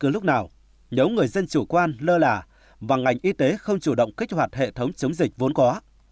nhưng lúc nào nhớ người dân chủ quan lơ lả và ngành y tế không chủ động kích hoạt hệ thống chống dịch vốn có